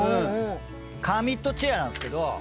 カーミットチェアなんですけど。